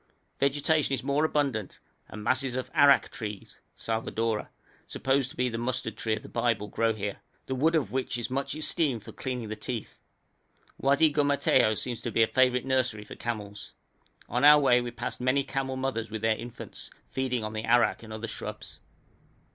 Vegetation is more abundant, and masses of arack trees (salvadora), supposed to be the mustard tree of the Bible, grow here, the wood of which is much esteemed for cleaning the teeth. Wadi Gumateo seems to be a favourite nursery for camels. On our way we passed many camel mothers with their infants, feeding on the arack and other shrubs.